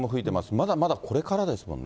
まだまだこれからですもんね。